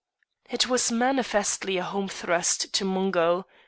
It was manifestly a home thrust to Mungo.